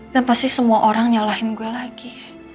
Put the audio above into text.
dan pasti semua orang nyalahin gue lagi